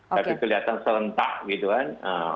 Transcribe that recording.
tapi kelihatan serentak gitu kan